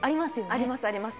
ありますあります。